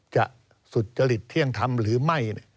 สุจริตเที่ยงธรรมหรือไม่